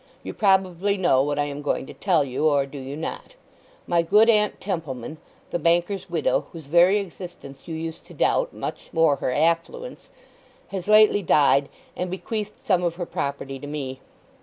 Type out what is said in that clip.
You probably know what I am going to tell you, or do you not? My good Aunt Templeman, the banker's widow, whose very existence you used to doubt, much more her affluence, has lately died, and bequeathed some of her property to me.